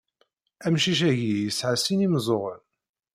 Amcic-agi yesɛa sin imeẓẓuɣen.